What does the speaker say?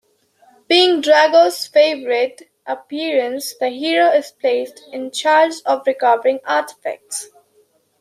Being Drogan's favorite apprentice, the hero is placed in charge of recovering the artifacts.